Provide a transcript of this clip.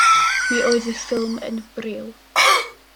Mi oedd y ffilm yn bril.